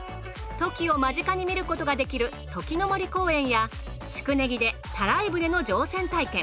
トキを間近に見ることができるトキの森公園や宿根木でたらい船の乗船体験。